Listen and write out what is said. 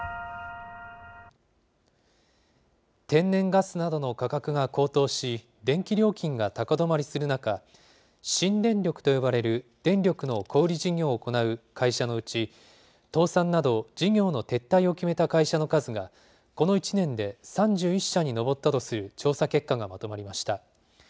天然ガスなどの価格が高騰し、電気料金が高止まりする中、新電力と呼ばれる電力の小売り事業を行う会社のうち、倒産など事業の撤退を決めた会社の数がこの１年で３１社に上ったとする調査結果がまとまりました。